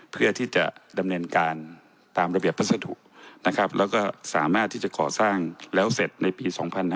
เพื่อที่จะดำเนินการตามระเบียบพัสดุนะครับแล้วก็สามารถที่จะก่อสร้างแล้วเสร็จในปี๒๕๕๙